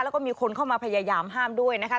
แล้วก็มีคนเข้ามาพยายามห้ามด้วยนะคะ